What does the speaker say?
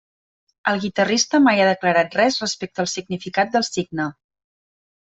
El guitarrista mai ha declarat res respecte al significat del signe.